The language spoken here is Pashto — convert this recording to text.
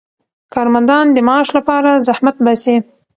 کارمندان د معاش لپاره زحمت باسي.